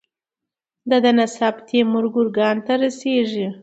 د ده نسب تیمور ګورکان ته رسیږي.